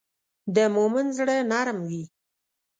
د مؤمن زړه نرم وي.